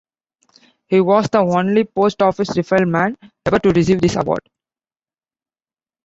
He was the only Post Office Rifleman ever to receive this award.